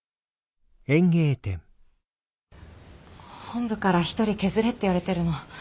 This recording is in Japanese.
本部から１人削れって言われてるの。